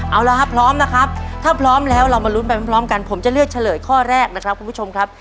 เอาละครับพร้อมนะครับถ้าพร้อมแล้วเรามาลุ้นไปพร้อมกันผมจะเลือกเฉลยข้อแรกนะครับคุณผู้ชมครับ